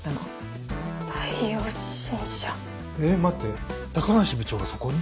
えっ待って高梨部長がそこに？